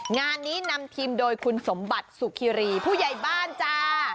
งานนี้นำทีมโดยคุณสมบัติสุขิรีผู้ใหญ่บ้านจ้า